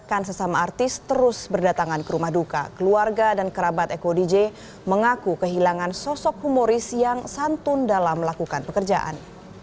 bahkan sesama artis terus berdatangan ke rumah duka keluarga dan kerabat eko dj mengaku kehilangan sosok humoris yang santun dalam melakukan pekerjaan